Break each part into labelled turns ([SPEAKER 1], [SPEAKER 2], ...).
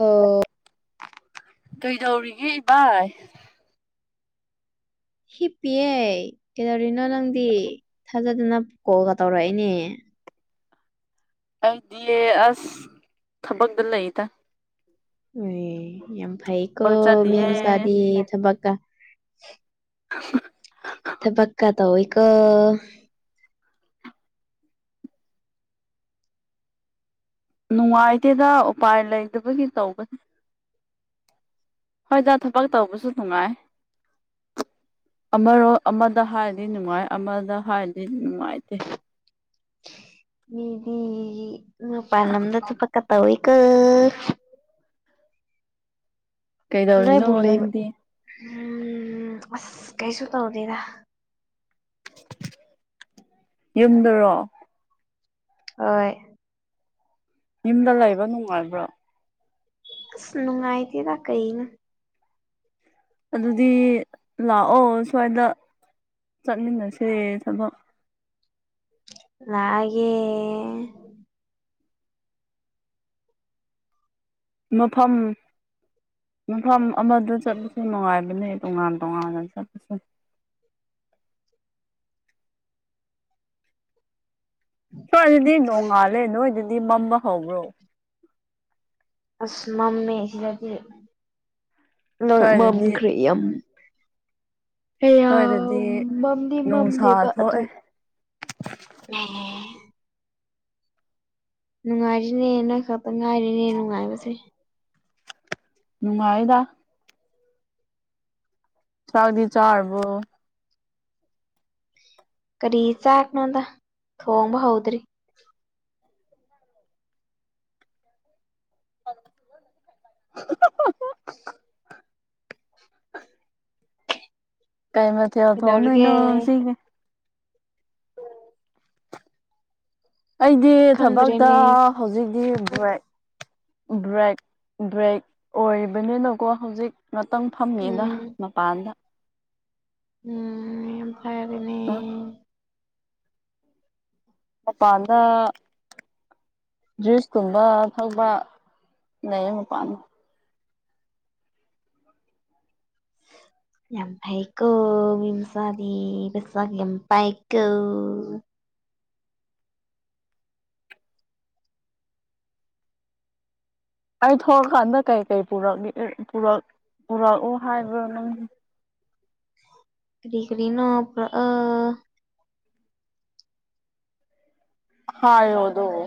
[SPEAKER 1] ꯑꯣ
[SPEAKER 2] ꯀꯩꯗꯧꯔꯤꯒꯦ ꯏꯚꯥꯏ
[SPEAKER 1] ꯍꯤꯞ ꯄꯤꯌꯦ ꯀꯩꯗꯧꯔꯤꯅꯣ ꯅꯪꯗꯤ ꯊꯥꯖꯗꯅ ꯀꯣꯜꯒ ꯇꯧꯔꯛꯏꯅꯦ
[SPEAKER 2] ꯑꯩ ꯗꯤ ꯑꯁ ꯊꯕꯛꯗ ꯂꯩꯇ
[SPEAKER 1] ꯎꯝ ꯌꯥꯝ ꯐꯩꯀꯣ
[SPEAKER 2] ꯊꯕꯛ ꯆꯠꯂꯤꯌꯦ
[SPEAKER 1] ꯃꯤꯃꯆꯥꯗꯤ ꯊꯕꯛꯀꯥ ꯊꯕꯛꯀꯥ ꯇꯧꯋꯤ ꯀ‌ꯣ
[SPEAKER 2] ꯅꯨꯡꯉꯥꯏꯇꯦꯗ ꯎꯄꯥꯏ ꯂꯩꯇꯕꯒꯤ ꯇꯧꯕꯅ‌ꯦ ꯍꯣꯏꯗ ꯊꯕꯛ ꯇꯧꯕꯁꯨ ꯅꯨꯡꯉꯥꯏ ꯑꯃꯔꯣ ꯑꯃꯗ ꯍꯥꯏꯗꯤ ꯅꯨꯡꯉꯥꯏ ꯑꯃꯗ ꯍꯥꯏꯔꯗꯤ ꯅꯨꯡꯉꯥꯏꯇꯦ
[SPEAKER 1] ꯃꯤꯗꯤ ꯉꯥꯄꯥꯜꯂꯝꯗ ꯊꯕꯛꯀꯥ ꯇꯧ ꯋꯤꯀ‌ꯣ ꯅꯣꯏ
[SPEAKER 2] ꯀꯩꯗꯧꯔꯤꯅꯣ
[SPEAKER 1] ꯕꯨ ꯂꯩꯕ
[SPEAKER 2] ꯅꯪꯗꯤ
[SPEAKER 1] ꯎꯝ ꯑꯁ ꯀꯩꯁꯨ ꯇꯧꯗ‌ꯦꯗ
[SPEAKER 2] ꯌꯨꯝꯗꯔꯣ
[SPEAKER 1] ꯍꯣꯏ
[SPEAKER 2] ꯌꯨꯝꯗ ꯂꯩꯕ ꯅꯨꯡꯉꯥꯏꯕ꯭ꯔꯣ
[SPEAKER 1] ꯑꯁ ꯅꯨꯡꯉꯥꯏꯇ‌ꯦꯗ ꯀꯩꯅ‌ꯣ
[SPEAKER 2] ꯑꯗꯨꯗꯤ ꯂꯥꯛꯑꯣ ꯁ꯭ꯋꯥꯏꯗ ꯆꯠꯃꯤꯟꯅꯁꯦ ꯊꯕꯛ
[SPEAKER 1] ꯂꯥꯛꯑꯒ‌ꯦ
[SPEAKER 2] ꯃꯐꯝ ꯃꯐꯝ ꯑꯃꯗ ꯆꯠꯄꯁꯨ ꯅꯨꯡꯉꯥꯏꯕꯅꯦ ꯇꯣꯉꯥꯟ ꯇꯣꯉꯥꯟꯅ ꯆꯠꯄꯁꯨ ꯁꯋꯥꯏ ꯗꯗꯤ ꯅꯣꯡꯉꯥꯜꯂꯦ ꯅꯣꯏꯗꯗꯤ ꯃꯝꯕ ꯍꯧꯕ꯭ꯔꯣ
[SPEAKER 1] ꯑꯁ ꯃꯝ ꯃꯦꯁꯤꯗꯗꯤ ꯅ‌ꯣꯏ ꯃꯝ
[SPEAKER 2] ꯁ꯭ꯋꯥꯏꯗꯗꯤ
[SPEAKER 1] ꯈ꯭ꯔ‌ꯦꯌꯥꯝ
[SPEAKER 2] ꯁ꯭ꯋꯥꯏꯗꯗꯤ
[SPEAKER 1] ꯀꯌꯥꯝ ꯃꯝꯗꯤ
[SPEAKER 2] ꯅꯨꯡꯁꯥ
[SPEAKER 1] ꯃꯝꯗꯦꯕ ꯑꯗꯨ
[SPEAKER 2] ꯊꯣꯛꯑꯦ
[SPEAKER 1] ꯎꯝ ꯅꯨꯡꯉꯥꯏꯖꯤꯅ‌ꯦ ꯅꯪ ꯈꯛꯇ ꯉꯥꯏꯔ‌ꯦꯅꯦ ꯅꯨꯡꯉꯥꯏꯕꯁꯦ
[SPEAKER 2] ꯅꯨꯡꯉꯥꯏꯗ ꯆꯥꯛꯗꯇꯤ ꯆꯥꯔꯕꫭ
[SPEAKER 1] ꯀꯔꯤ ꯆꯥꯛꯅꯣꯗ ꯊꯣꯡꯕ ꯍꯧꯗ꯭ꯔꯤ
[SPEAKER 2] [inaudible] ꯀꯩ ꯃꯊꯦꯜ
[SPEAKER 1] ꯀꯩꯗꯧꯔꯒꯦ
[SPEAKER 2] ꯊꫭꯡꯗꫭꯏꯅꫭ ꯉꯁꯤꯗꯤ ꯑꯩꯗꯤ ꯊꯕꯛꯇ
[SPEAKER 1] ꯈꯪꯗ꯭ꯔꯦꯅꯦ
[SPEAKER 2] ꯍꯧꯖꯤꯛꯇꯤ ꯕ꯭ꯔꯦꯛ ꯕ꯭ꯔꯦꯛ ꯑꯣꯏꯔꯤꯕꯅꯤꯅꯀꯣ ꯍꯧꯖꯤꯛ ꯉꯥꯇꯪ ꯐꯝꯃꯤꯗ
[SPEAKER 1] ꯎꯝ
[SPEAKER 2] ꯃꯄꯥꯟꯗ
[SPEAKER 1] ꯎꯝ ꯐꯔꯦꯅꯦ
[SPEAKER 2] ꯑ ꯃꯄꯥꯟꯗ ꯖꯨꯏꯁꯀꯨꯝꯕ ꯊꯛꯕ ꯂꯩꯌꯦ ꯃꯄꯥꯟ
[SPEAKER 1] ꯌꯥꯝ ꯐꯩꯀꯣ ꯃꯤ ꯃꯆꯥꯗꯤ ꯄꯩꯁꯥ ꯌꯥꯝ ꯄꯥꯏꯀꯣ
[SPEAKER 2] ꯑꯩ ꯊꯣꯛꯂꯀꯥꯟꯗ ꯀꯩꯀꯩ ꯄꯨꯔꯛꯑꯣ ꯍꯥꯏꯕꯅꯣ ꯅꯪ
[SPEAKER 1] ꯀꯔꯤ ꯀꯔꯤꯅꫭ ꯄꯨꯔꯛꯑꫭ
[SPEAKER 2] ꯍꯥꯏꯌꫭ ꯑꯗꫭ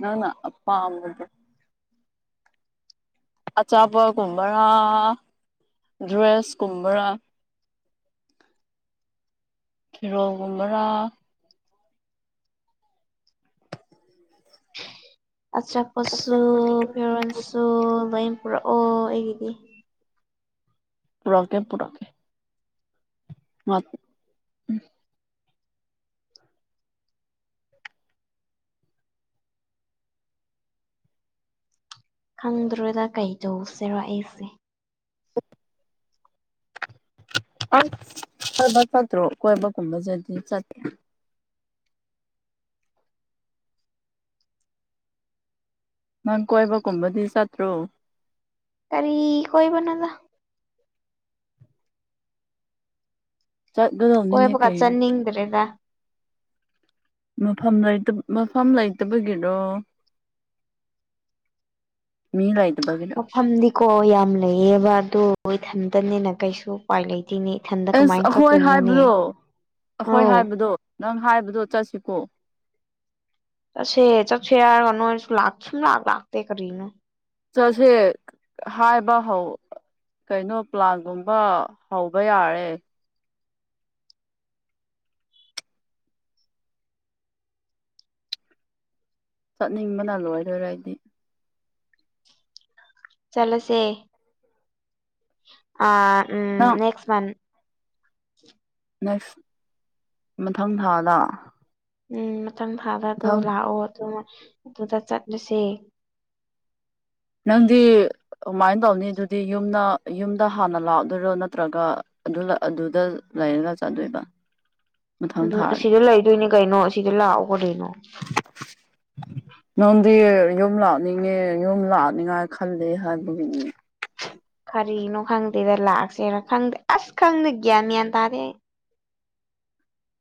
[SPEAKER 2] ꯅꯪꯅ ꯑꯄꯥꯝꯕꯗꫭ ꯑꯆꯥꯄꯣꯠ ꯒꯨꯝꯕꯔꯥ ꯗ꯭ꯔꯦꯁ ꯀꯨꯝꯕꯔꯥ ꯐꯤꯔꯣꯜꯒꯨꯝꯕꯔꯥ [inaudible]
[SPEAKER 1] ꯑꯆꯥꯄꯣꯠꯁꯨ ꯐꯦꯔꯣꯟꯁꯨ ꯂꯣꯏ ꯄꯨꯔꯛꯑꯣ ꯑꯩꯒꯤꯗꯤ
[SPEAKER 2] ꯄꯨꯔꯛꯀꯦ ꯄꯨꯔꯛꯀꯦ [unintelligible]
[SPEAKER 1] ꯈꯪꯗ꯭ꯔꯦꯗ ꯀꯩꯗꯧꯁꯤꯔꯣ ꯑꯩꯁꯦ
[SPEAKER 2] [unintelligible] ꯑꯁ ꯑꯣꯏꯣꯏꯕ ꯆꯠꯇ꯭ꯔꯣ ꯀꯣꯏꯕꯒꯨꯝꯕꯁꯗꯤ ꯆꯠ ꯅꯪ ꯀꯣꯏꯕꯒꯨꯝꯕꯗꯤ ꯆꯠꯇ꯭ꯔꯣ
[SPEAKER 1] ꯀꯔꯤ ꯀꯣꯏꯕꯅꯣꯗ
[SPEAKER 2] ꯆꯠꯂꯨꯔꫭ
[SPEAKER 1] ꯀꯣꯏꯕꯒ ꯆꯠꯅꯤꯡꯗ꯭ꯔꯦꯗ
[SPEAKER 2] ꯃꯐꯝ ꯃꯐꯝ ꯂꯩꯇꯕꯒꯤꯔꯣ ꯃꯤ ꯂꯩꯇꯕꯒꯤ
[SPEAKER 1] ꯐꯝꯗꯤꯀꯣ ꯌꯥꯝ ꯂꯩꯌꯦꯕ ꯀꯣ ꯑꯗꯨ ꯏꯊꯟꯗꯅꯤꯅ ꯀꯩꯁꯨ ꯎꯄꯥꯏ ꯂꯩꯇꯦ ꯈꯟ [unintelligible]
[SPEAKER 2] ꯑꯦꯁ ꯑꯩꯈꯣꯏ ꯍꯥꯏꯕꯗꯣ ꯑꯩꯈꯣꯏ
[SPEAKER 1] ꯑꯧ
[SPEAKER 2] ꯍꯥꯏꯕꯗꯣ ꯅꯪ ꯍꯥꯏꯕꯗꯣ ꯆꯠꯁꯤꯀꯣ
[SPEAKER 1] ꯑꯁꯦ ꯆꯠꯁꯦ ꯆꯠꯁꯦ ꯍꯥꯢꯔꯒ ꯅꯣꯢꯁꯨ ꯂꯛꯇꯦ ꯁꯨꯡꯂꯥꯛ ꯂꯥꯛꯇ ꯀꯔꯤꯅꯣ
[SPEAKER 2] ꯆꯁꯦ ꯍꯥꯏꯕ ꯍꯧ ꯀꯩꯅꯣ ꯄ꯭ꯂꯥꯟꯒꯨꯝꯕ ꯍꯧꯕ ꯌꯥꯔꯦ ꯆꯠꯅꯤꯡꯕꯅ ꯂꯣꯏꯔꯦ ꯑꯩꯗꯤ
[SPEAKER 1] ꯆꯠꯂꯁꯦ ꯑ ꯎꯝ
[SPEAKER 2] ꯅꯪ
[SPEAKER 1] ꯅꯦꯛꯁ ꯃꯟ
[SPEAKER 2] ꯅꯦꯛꯁ ꯃꯊꯪ ꯊꯥꯗ
[SPEAKER 1] ꯎꯝ ꯃꯊꯪ ꯊꯥꯗ ꯑꯗꯨꯣ
[SPEAKER 2] ꯃꯊꯪ
[SPEAKER 1] ꯂꯥꯛꯑꯣ ꯑꯗꯨ ꯑꯗꯨꯗ ꯆꯠꯂꯨꯁꯦ
[SPEAKER 2] ꯅꯪꯗꯤ ꯀꯃꯥꯏꯅ ꯇꯧꯅꯤ ꯑꯗꯨꯗꯤ ꯌꯨꯝꯗ ꯌꯨꯝꯗ ꯍꯥꯟꯅ ꯂꯥꯛꯑꯗꯣꯏꯔꯣ ꯅꯠꯇ꯭ꯔꯒ ꯑꯗꯨ ꯑꯗꯨꯗ ꯂꯩꯥꯏꯔꯒ ꯆꯠꯇꯣꯢꯕ
[SPEAKER 1] ꯑꯗꯨ ꯑꯁꯤꯗ ꯂꯩꯗꯣꯏꯅꯦ ꯀꯩꯅꯣ ꯑꯁꯤꯗ ꯂꯥꯛꯑꯣ ꯀꯔꯤꯅꯣ
[SPEAKER 2] ꯅꯪꯗꯤ ꯌꯨꯝ ꯂꯥꯛꯅꯤꯡꯉ ꯌꯨꯝ ꯂꯥꯛꯅꯤꯉꯥꯏ ꯈꯜꯂꯦ ꯍꯥꯏꯕꯒꯤꯅꯤ
[SPEAKER 1] ꯀꯔꯤꯅꯣ ꯈꯪꯗꯦꯗ ꯂꯥꯛꯁꯦꯅ ꯈꯪꯗꯦ ꯑꯁ ꯈꯪꯗꯦ ꯒ꯭ꯌꯥꯟ ꯃꯦꯟ ꯇꯥꯗꯦ ꯑꯩ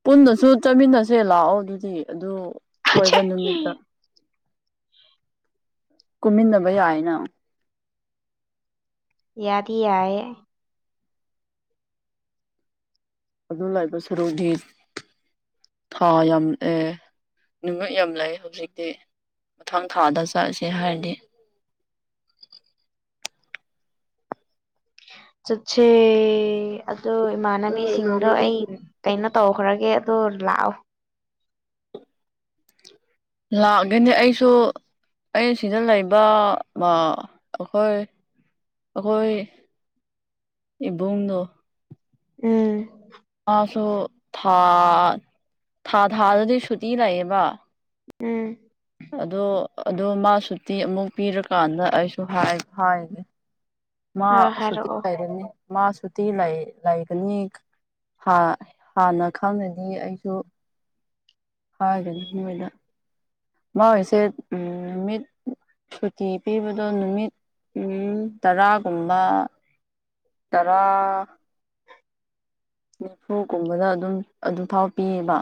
[SPEAKER 2] ꯄꯨꯟꯅꯁꯨ ꯆꯠꯃꯤꯟꯅꯁꯦ ꯂꯥꯛꯑꯣ ꯑꯗꯨꯗꯤ ꯑꯗꯨ ꯀꯣꯏꯕ
[SPEAKER 1] ꯑꯩ
[SPEAKER 2] ꯅꯨꯃꯤꯠꯇ ꯀꯨꯝꯃꯤꯟꯅꯕ ꯌꯥꯏꯅ
[SPEAKER 1] ꯌꯥꯗꯤ ꯌꯥꯢꯌꯦ
[SPEAKER 2] ꯑꯗꯨ ꯂꯥꯛꯏꯕ ꯁꯔꯨꯗꯤ ꯊꯥ ꯌꯥꯝꯑꯦ ꯅꯨꯃꯤꯠ ꯌꯥꯝ ꯂꯩꯑꯦ ꯍꯧꯖꯤꯛꯇꯤ ꯃꯊꯪ ꯊꯥꯗ ꯆꯠꯂꯁꯦ ꯍꯥꯏꯔꯗꯤ
[SPEAKER 1] ꯆꯠꯁꯦ ꯑꯗꯨꯗꯣ ꯏꯃꯥꯟꯅꯕꯤꯁꯤꯡꯗꯣ ꯑꯩ ꯀꯩꯅꯣ ꯇꯧꯈ꯭ꯔꯒꯦ ꯑꯗꯨ ꯂꯥꯛꯑꯣ
[SPEAKER 2] ꯂꯥꯛꯂꯅꯤ ꯑꯩꯁꯨ ꯑꯩ ꯁꯤꯗ ꯂꯩꯕ ꯃꯤ ꯑꯈꯣꯏ ꯑꯈꯣꯏ ꯏꯕꯨꯡꯗꯣ
[SPEAKER 1] ꯎꯝ
[SPEAKER 2] ꯃꯥꯁꯨ ꯊꯥ ꯊꯥ ꯊꯥꯗꯗꯤ ꯁꯨꯇꯤ ꯂꯩꯌꯦꯕ
[SPEAKER 1] ꯎꯝ
[SPEAKER 2] ꯑꯗꯣ ꯑꯗꯣ ꯃꯥ ꯁꯨꯇꯤ ꯑꯃꯨꯛ ꯄꯤꯔꯀꯥꯟꯗ ꯑꯩꯁꯨ ꯍꯥꯢ ꯍꯥꯏꯒꯦ ꯃꯥ
[SPEAKER 1] ꯑ
[SPEAKER 2] ꯁꯨꯇꯤ
[SPEAKER 1] ꯍꯥꯏꯔꯛꯑꯣ
[SPEAKER 2] ꯍꯥꯏꯔꯅꯤ ꯃꯥ ꯁꯨꯇꯤ ꯂꯩꯒꯅꯤ ꯍꯥ ꯍꯥꯟꯅ ꯈꯪꯉꯗꯤ ꯑꯩꯁꯨ ꯍꯥꯏꯒꯅꯤ ꯃꯣꯏꯅ ꯃꯣꯏꯁꯦ ꯃꯤꯠ ꯁꯨꯇꯤ ꯄꯤꯕꯗꯣ ꯅꯨꯃꯤꯠ ꯎꯝ ꯇꯔꯥꯒꯨꯝꯕ ꯇꯔꯥ ꯅꯤꯐꯨꯒꯨꯝꯕꯗ ꯑꯗꯨꯝ ꯑꯗꯨ ꯐꯥꯎ ꯄꯤꯌꯦꯕ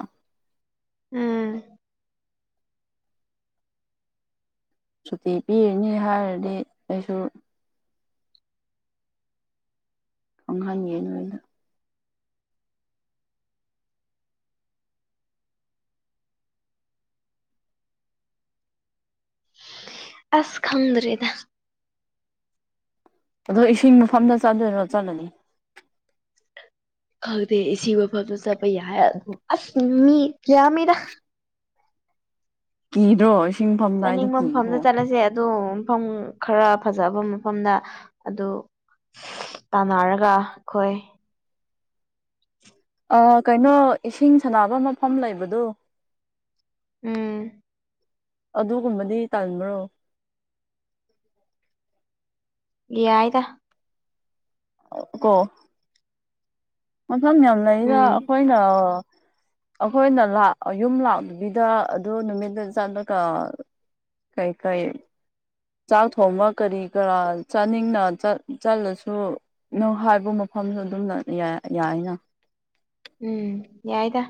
[SPEAKER 1] ꯎꯝ
[SPEAKER 2] ꯁꯨꯇꯤ ꯄꯤꯔꯅꯤ ꯍꯥꯏꯔꯗꯤ ꯑꯩꯁꯨ ꯈꯥꯡꯍꯟꯉꯦ ꯅꯣꯏꯅ
[SPEAKER 1] ꯑꯁ ꯈꯪꯗ꯭ꯔꯦꯗ
[SPEAKER 2] ꯑꯗꯣ ꯏꯁꯤꯡ ꯃꯐꯝꯗ ꯆꯥꯗꯣꯏꯔꯣ ꯆꯠꯂꯅꯤ
[SPEAKER 1] ꯈꯪꯗꯦ ꯏꯁꯤꯡ ꯃꯐꯝꯗ ꯆꯄ ꯌꯥ ꯑꯁ ꯃꯤ ꯌꯥꯃꯤꯗꯥ
[SPEAKER 2] ꯀꯤꯗ꯭ꯔꯣ ꯏꯁꯤꯡꯐꯝꯗꯥꯏꯗ
[SPEAKER 1] ꯆꯠꯅꯤꯡꯕ ꯃꯐꯝꯗ
[SPEAKER 2] ꯀꯤꯗ꯭ꯔꯣ
[SPEAKER 1] ꯆꯠꯂꯁꯦ ꯑꯗꯣ ꯃꯐꯝ ꯈꯔ ꯐꯖꯕ ꯃꯐꯝꯗ ꯑꯗꯨ ꯇꯥꯟꯅꯔꯒ ꯑꯈꯣꯏ
[SPEAKER 2] ꯑꯥ ꯀꯩꯅꯣ ꯏꯁꯤꯡ ꯁꯅꯕ ꯃꯐꯝ ꯂꯩꯕꯗꯨ
[SPEAKER 1] ꯎꯝ
[SPEAKER 2] ꯑꯗꯨꯒꯨꯝꯕꯗꯤ ꯇꯟꯕ꯭ꯔꯣ
[SPEAKER 1] ꯌꯥꯏꯗ
[SPEAKER 2] ꯀꯣ ꯃꯐꯝ ꯌꯥꯝ ꯂꯩꯗ
[SPEAKER 1] ꯎꯝ
[SPEAKER 2] ꯑꯈꯣꯏꯅ ꯑꯈꯣꯏꯅ ꯂꯥꯛ ꯌꯨꯝ ꯂꯥꯛꯇꯕꯤꯗ ꯑꯗꯨ ꯅꯨꯃꯤꯠꯇꯨ ꯆꯠꯂꯒ ꯀꯩ ꯀꯩ ꯆꯥꯛ ꯊꯣꯡꯕ ꯀꯔꯤ ꯀꯔꯥ ꯆꯥꯅꯤꯡꯅ ꯆꯠ ꯆꯠꯂꯁꯨ ꯅꯪ ꯍꯥꯏꯕ ꯃꯐꯝꯁꯨ ꯑꯗꯨꯝ ꯌꯥ ꯌꯥꯏꯅ
[SPEAKER 1] ꯎꯝ ꯌꯥꯏꯗ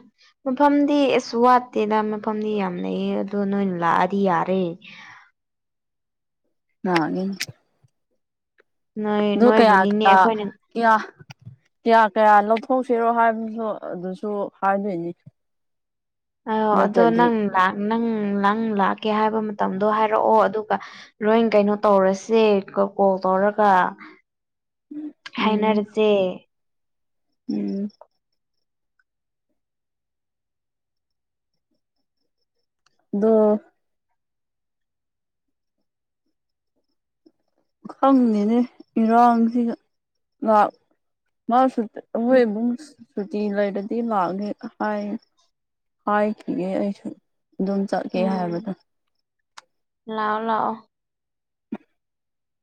[SPEAKER 1] ꯃꯐꯝꯗꯤ ꯑꯁ ꯋꯥꯠꯇꯦꯗ ꯃꯐꯝꯗꯤ ꯌꯥꯝ ꯂꯩꯩꯌꯦ ꯑꯗꯣ ꯅꯣꯏꯅ ꯂꯥꯛꯑꯗꯤ ꯌꯥꯔꯦ
[SPEAKER 2] ꯂꯥꯑꯅꯤ
[SPEAKER 1] ꯅꯣꯏ
[SPEAKER 2] [unintelligible] ꯀ꯭ꯌꯥ
[SPEAKER 1] ꯅꯣꯏꯕꯨꯅꯤꯅꯦ ꯑꯩꯈꯣꯏꯅ
[SPEAKER 2] ꯀꯌꯥ ꯀꯌꯥ ꯂꯧꯊꯣꯛꯁꯤꯔꯣ ꯍꯥꯏꯕꯁꯨ ꯑꯗꯨꯁꯨ ꯍꯥꯏꯗꯣꯏꯅꯤ
[SPEAKER 1] ꯑ ꯑꯗꯣ
[SPEAKER 2] ꯅꯠꯇ꯭ꯔꯗꯤ
[SPEAKER 1] ꯅꯪ ꯅꯪ ꯅꯪ ꯂꯥꯛꯀꯦ ꯍꯥꯏꯕ ꯃꯇꯝꯗꯣ ꯍꯥꯏꯔꯛꯑꯣ ꯑꯗꯨꯒ ꯂꯣꯏ ꯀꯩꯅꯣ ꯇꯧꯔꯁꯦ ꯀꯣꯜ ꯇꯧꯔꯒ
[SPEAKER 2] ꯎꯝ
[SPEAKER 1] ꯍꯥꯏꯅꯔꯁꯦ
[SPEAKER 2] ꯎꯝ ꯑꯗꯣ ꯈꯪꯗꯦꯅꯦ ꯏꯔꯥꯡꯁꯤꯗ ꯂꯥꯛ ꯃꯥꯁꯨ
[SPEAKER 1] ꯎꯝ
[SPEAKER 2] ꯅꯣꯏ ꯑꯕꯨꯡꯁ ꯁꯨꯇꯤ ꯂꯩꯔꯗꯤ ꯂꯥꯛꯀꯦ ꯍꯥꯏ ꯍꯥꯏꯈꯤꯒꯦ ꯑꯩꯁꯨ ꯑꯗꯨꯝ ꯆꯠꯀꯦ
[SPEAKER 1] ꯎꯝ
[SPEAKER 2] ꯍꯥꯏꯕꯗꯣ
[SPEAKER 1] ꯂꯥꯛꯑꯣ ꯂꯥꯛꯑꯣ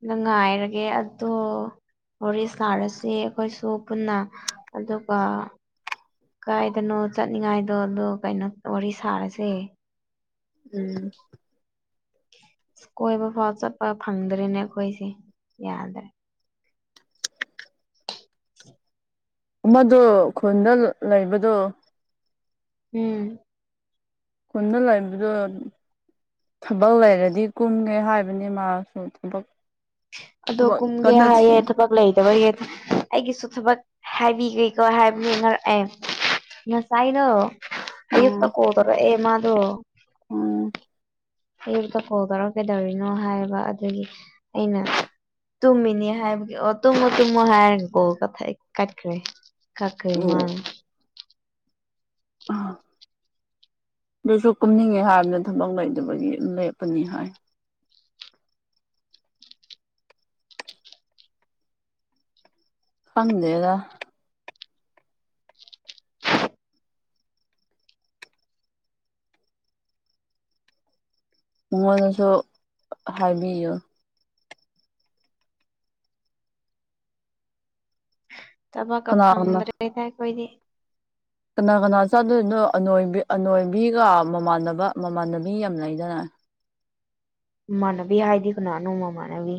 [SPEAKER 1] ꯉꯥꯏꯔꯒꯦ ꯑꯗꯣ ꯋꯥꯔꯤ ꯁꯥꯔꯁꯤ ꯑꯩꯈꯣꯏꯁꯨ ꯄꯨꯟꯅ ꯑꯗꯨꯒ ꯀꯥꯏꯗꯅꯣ ꯆꯠꯅꯤꯡꯉꯥꯏꯗꯣ ꯑꯗꯣ ꯀꯩꯅꯣ ꯋꯥꯔꯤ ꯁꯥꯔꯁꯦ
[SPEAKER 2] ꯎꯝ
[SPEAKER 1] ꯀꯣꯏꯕ ꯐꯥꯎ ꯆꯠꯄ ꯐꯪꯗ꯭ꯔꯦꯅꯦ ꯑꯩꯈꯣꯏꯁꯦ ꯌꯥꯗ꯭ꯔꯦ
[SPEAKER 2] ꯑꯃꯗꯣ ꯈꯨꯟꯗ ꯂꯩꯕꯗꯣ
[SPEAKER 1] ꯎꯝ
[SPEAKER 2] ꯈꯨꯟꯗ ꯂꯩꯕꯗꯨ ꯊꯕꯛ ꯂꯩꯔꯗꯤ ꯀꯨꯝꯒꯦ ꯍꯥꯏꯕꯅꯤ ꯃꯥꯁꯨ ꯊꯕꯛ
[SPEAKER 1] ꯑꯗꯣ
[SPEAKER 2] ꯊꯕꯛ
[SPEAKER 1] ꯀꯨꯝꯒꯦ
[SPEAKER 2] ꯀꯟꯅ
[SPEAKER 1] ꯍꯥꯏꯌꯦ
[SPEAKER 2] ꯊꯤꯔꯤ
[SPEAKER 1] ꯊꯕꯛ ꯂꯩꯇꯕꯒꯤ ꯑꯩꯒꯤꯁꯨ ꯊꯕꯛ ꯍꯥꯏꯕꯤꯒꯦꯀꯣ ꯍꯥꯏꯕ ꯑꯦ ꯉꯁꯥꯏꯗꯣ
[SPEAKER 2] ꯎꯝ
[SPEAKER 1] ꯑꯌꯨꯛꯇ ꯀꯣꯜ ꯇꯧꯔꯛꯑꯦ ꯃꯥꯗꯨ
[SPEAKER 2] ꯎꯝ
[SPEAKER 1] ꯑꯌꯨꯛꯇ ꯀꯣꯜ ꯇꯧꯔꯛꯑ ꯀꯩꯗꯧꯔꯤꯅꯣ ꯍꯥꯏꯕ ꯑꯗꯨꯒꯤ ꯑꯩꯅ ꯇꯨꯝꯃꯤꯅꯤ ꯍꯥꯏꯕꯒꯤ ꯑꯣ ꯇꯨꯝꯃꯣ ꯇꯨꯝꯃꯣ ꯍꯥꯏꯔꯒꯀꯣ ꯀꯣꯜ ꯀꯛꯊꯠꯈ꯭ꯔꯦ ꯀꯛꯈꯔ꯭ꯦ ꯃꯥꯅ
[SPEAKER 2] ꯑꯗꯨꯏꯁꯨ ꯀꯨꯝꯅꯤꯡꯉꯦ ꯍꯥꯏꯕꯅꯤ ꯊꯕꯛ ꯂꯩꯕꯒꯤ ꯑꯗꯨꯝ ꯂꯦꯞꯄꯅꯤ ꯍꯥꯏ ꯈꯪꯗꯦꯗ ꯃꯉꯣꯟꯗꯁꯨ ꯍꯥꯏꯕꯤꯌꯨ
[SPEAKER 1] ꯊꯕꯛꯀ
[SPEAKER 2] ꯀꯅꯥ ꯀꯅꯥ
[SPEAKER 1] ꯐꯪꯗ꯭ꯔꯦꯗ ꯑꯩꯈꯣꯏꯗꯤ
[SPEAKER 2] ꯀꯅꯥ ꯀꯅꯥ ꯆꯠꯇꯣꯏꯅꯣ ꯑꯅꯣꯏꯕꯤ ꯑꯅꯣꯏꯕꯤꯒ ꯃꯃꯥꯟꯅꯕ ꯃꯃꯥꯟꯅꯕꯤ ꯌꯥꯝ ꯂꯩꯗꯅ
[SPEAKER 1] ꯃꯃꯥꯟꯅꯕꯤ ꯍꯥꯏꯗꯤ ꯀꯅꯥꯅꯣ ꯃꯃꯥꯟꯅꯕꯤ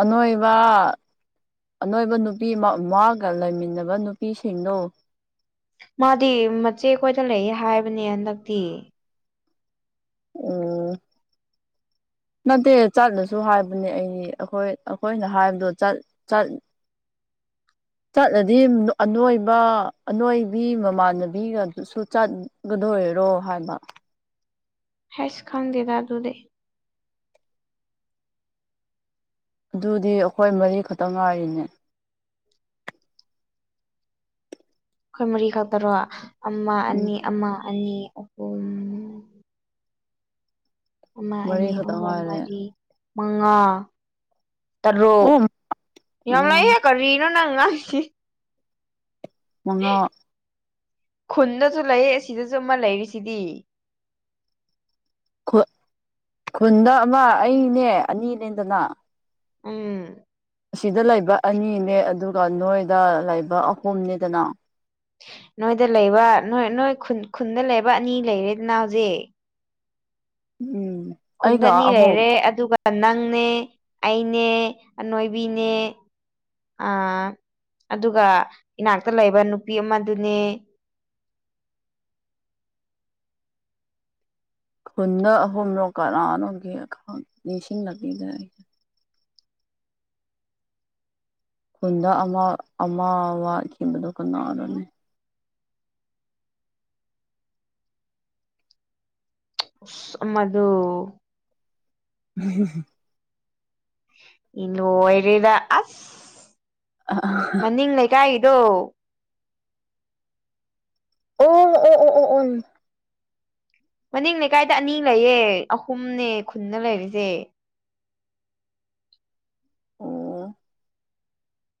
[SPEAKER 2] ꯑꯅꯣꯏꯕ ꯑꯅꯣꯏꯕ ꯅꯨꯄꯤ ꯑꯃ ꯃꯥꯒ ꯂꯩꯃꯤꯟꯅꯕ ꯅꯨꯄꯤꯁꯤꯡꯗꯣ
[SPEAKER 1] ꯃꯥꯗꯤ ꯃꯆꯦꯈꯣꯏꯗ ꯂꯩ ꯍꯥꯏꯕꯅꯦ ꯍꯟꯗꯛꯇꯤ
[SPEAKER 2] ꯑꯣ ꯅꯠꯇꯦ ꯆꯠꯂꯁꯨ ꯍꯥꯏꯕꯅꯦ ꯑꯩꯗꯤ ꯑꯩꯈꯣꯏ ꯑꯩꯈꯣꯏꯅ ꯍꯥꯏꯕꯗꯣ ꯆꯠ ꯆꯠ ꯆꯠꯂꯗꯤ ꯑꯅꯣꯏꯕ ꯑꯅꯣꯏꯕꯤ ꯃꯃꯥꯟꯅꯕꯤꯒ ꯑꯗꯨꯁꯨ ꯆꯠ ꯀꯗꯣꯏꯔꯣ ꯍꯥꯏꯕ
[SPEAKER 1] ꯍꯁ ꯈꯪꯗꯦꯗ ꯑꯗꯨꯗꯤ
[SPEAKER 2] ꯑꯗꯨꯗꯤ ꯑꯩꯈꯣꯏ ꯃꯔꯤ ꯈꯛꯇꯪ ꯉꯥꯏꯔꯤꯅꯦ
[SPEAKER 1] ꯑꯩꯈꯣꯏ ꯃꯔꯤꯈꯛꯇꯔꯣ ꯑꯃ
[SPEAKER 2] ꯎꯝ
[SPEAKER 1] ꯑꯅꯤ ꯑꯃ ꯑꯅꯤ ꯑꯍꯨꯝ ꯑꯃ
[SPEAKER 2] ꯃꯔꯤ
[SPEAKER 1] ꯑꯅꯤ
[SPEAKER 2] ꯈꯛꯇ
[SPEAKER 1] ꯑꯍꯨꯝ
[SPEAKER 2] ꯉꯥꯏꯔꯦ
[SPEAKER 1] ꯃꯔꯤ ꯃꯉꯥ ꯇꯔꯨꯛ
[SPEAKER 2] ꯑꯣ
[SPEAKER 1] ꯌꯥꯝ
[SPEAKER 2] ꯃꯉꯥ
[SPEAKER 1] ꯂꯩꯍꯦ ꯀꯔꯤꯅꯣ ꯅꯪ ꯉꯥꯡꯉꯤꯁꯦ
[SPEAKER 2] ꯃꯉꯥ
[SPEAKER 1] ꯈꯨꯟꯗꯁꯨ ꯂꯩꯌꯦ ꯁꯤꯗꯁꯨ ꯑꯃ ꯂꯩꯔꯤꯁꯤꯗꯤ
[SPEAKER 2] ꯈꯨꯟꯗ ꯑꯃ
[SPEAKER 1] ꯎꯝ
[SPEAKER 2] ꯑꯩꯅꯦ ꯑꯅꯤ ꯂꯩꯗꯅ
[SPEAKER 1] ꯎꯝ
[SPEAKER 2] ꯑꯁꯤꯗ ꯂꯩꯕ ꯑꯅꯤꯅꯦ ꯑꯗꯨꯒ ꯅꯣꯏꯗ ꯂꯩꯕ ꯑꯍꯨꯝꯅꯦꯗꯅ
[SPEAKER 1] ꯅꯣꯏꯗ ꯂꯩꯕ ꯅꯣꯏ ꯅꯣꯏ ꯈꯨꯟ ꯈꯨꯟꯗ ꯂꯩꯕ ꯑꯅꯤ ꯂꯩꯔꯦꯗꯅꯥ ꯍꯧꯖꯤꯛ
[SPEAKER 2] ꯎꯝ
[SPEAKER 1] ꯈꯨꯟꯗ
[SPEAKER 2] ꯑꯩꯒ
[SPEAKER 1] ꯑꯅꯤ
[SPEAKER 2] ꯑꯍꯨꯝ
[SPEAKER 1] ꯂꯩꯔꯦ ꯑꯗꯨꯒ ꯅꯪꯅꯦ ꯑꯩꯅꯦ ꯑꯅꯣꯏꯕꯤꯅꯦ ꯑ ꯑꯗꯨꯒ ꯏꯅꯥꯛꯇ ꯂꯩꯕ ꯅꯨꯄꯤ ꯑꯃꯗꯨꯅꯦ
[SPEAKER 2] ꯈꯨꯟꯗ ꯑꯍꯨꯝꯂꯣ ꯀꯅꯥꯅꯣꯒꯦ ꯅꯤꯡꯁꯤꯡꯂꯕꯤꯒ ꯈꯨꯟꯗ ꯑꯃ ꯑꯃ ꯑꯃꯋꯥꯠꯈꯤꯕꯗꯣ ꯀꯅꯅꯣꯅꯦ
[SPEAKER 1] ꯑꯃꯗꯣ
[SPEAKER 2] ꯎꯝ
[SPEAKER 1] ꯂꯣꯏꯔꯦꯗ ꯑꯁ ꯃꯅꯤꯡ ꯂꯩꯀꯥꯏꯒꯤꯗꯣ
[SPEAKER 2] ꯑꯣ ꯑꯣ ꯑꯣ ꯑꯣ
[SPEAKER 1] ꯃꯅꯤꯡ ꯂꯩꯀꯥꯏꯗ ꯑꯅꯤ ꯂꯩꯌꯦ ꯑꯍꯨꯝꯅꯦ ꯈꯨꯟꯅ ꯂꯩꯔꯤꯁꯦ
[SPEAKER 2] ꯑꯣ